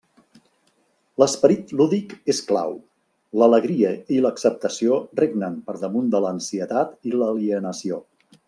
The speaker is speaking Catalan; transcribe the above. L'esperit lúdic és clau, l'alegria i l'acceptació regnen per damunt de l'ansietat i l'alienació.